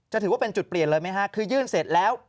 ถือว่าเป็นจุดเปลี่ยนเลยไหมฮะคือยื่นเสร็จแล้ว